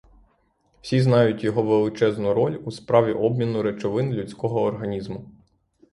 Всі знають його величезну роль у справі обміну речовин людського організму.